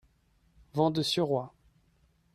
Vent de suroît.